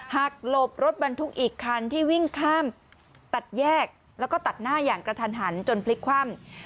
หลบรถบรรทุกอีกคันที่วิ่งข้ามตัดแยกแล้วก็ตัดหน้าอย่างกระทันหันจนพลิกคว่ำ